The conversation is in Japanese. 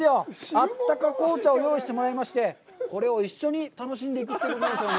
あったか紅茶を用意してもらいまして、これを一緒に楽しんでいくということですよね。